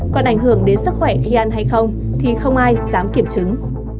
còn ảnh hưởng đến sức khỏe khi ăn hay không thì không ai dám kiểm chứng